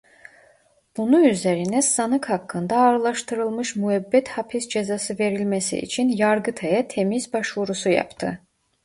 Bunu üzerine sanık hakkında ağırlaştırılmış müebbet hapis cezası verilmesi için Yargıtay'a temyiz başvurusu yaptı.